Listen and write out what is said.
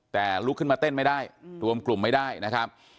แต่ลุกขึ้นมาเต้นไม่ได้รวมกลุ่มไม่ได้นะครับ